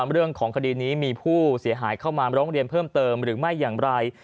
เรื่องของคดีนี้มีผู้เสียหายเข้ามาร้องเรียนเพิ่มเติมหรือไม่อย่างไร